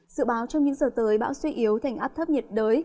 dự báo trong những giờ tới bão suy yếu thành áp thấp nhiệt đới